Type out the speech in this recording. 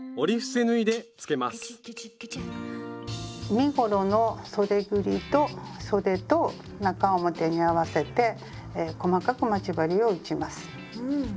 身ごろのそでぐりとそでと中表に合わせて細かく待ち針を打ちます。